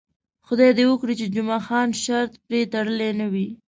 خدای دې وکړي چې جمعه خان شرط پرې تړلی نه وي.